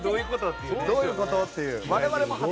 どういうこと？っていう。